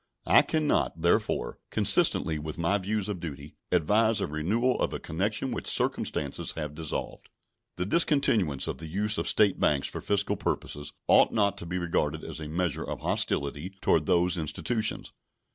I can not, therefore, consistently with my views of duty, advise a renewal of a connection which circumstances have dissolved. The discontinuance of the use of State banks for fiscal purposes ought not to be regarded as a measure of hostility toward those institutions.